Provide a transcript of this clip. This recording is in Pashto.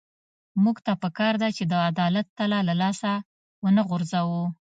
موږ ته پکار ده چې د عدالت تله له لاسه ونه غورځوو.